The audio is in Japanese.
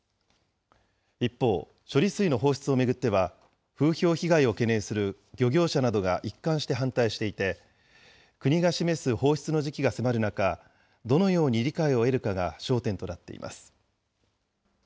一方、処理水の放出を巡っては、風評被害を懸念する漁業者などが一貫して反対していて、国が示す放出の時期が迫る中、どのように理解を得るかが焦点となっています。